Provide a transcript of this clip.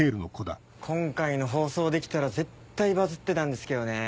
今回の放送できたら絶対バズってたんですけどね。